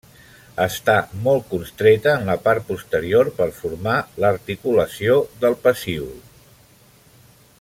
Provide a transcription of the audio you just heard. Està molt constreta en la part posterior per formar l'articulació del pecíol.